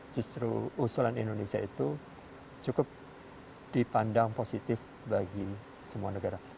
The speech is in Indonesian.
justru usulan indonesia itu cukup dipandang positif bagi semua negara